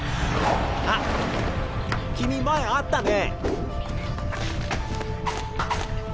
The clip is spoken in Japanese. あっ君前会ったね。